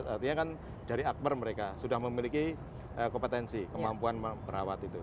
artinya kan dari akbar mereka sudah memiliki kompetensi kemampuan merawat itu